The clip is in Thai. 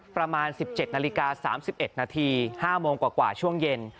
ประมาณ๑๗นาฬิกา๓๑นาที๕โมงกว่าช่วงเย็น